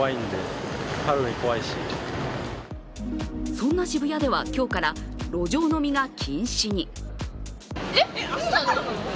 そんな渋谷では今日から路上飲みが禁止に。